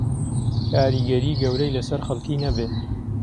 کاریگهریی گهورهی لهسهر خهڵکی نهبێ